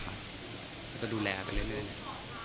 เราจะดูแลกันเรื่อย